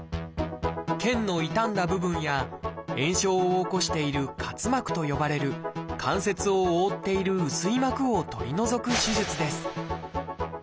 腱の傷んだ部分や炎症を起こしている「滑膜」と呼ばれる関節を覆っている薄い膜を取り除く手術です。